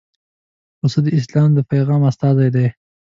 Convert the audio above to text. پسه د اسلام د پیغام استازی دی.